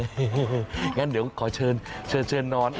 อย่างนั้นเดี๋ยวขอเชิญนอน